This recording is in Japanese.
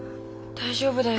大丈夫だよ。